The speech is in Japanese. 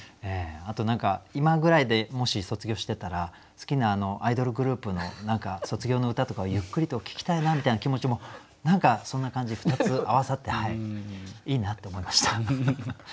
あと何か今ぐらいでもし卒業してたら好きなアイドルグループの卒業の歌とかをゆっくりと聴きたいなみたいな気持ちも何かそんな感じ２つ合わさっていいなって思いました。